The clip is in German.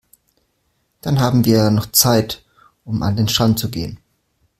Dann haben wir ja noch Zeit, um an den Strand zu gehen.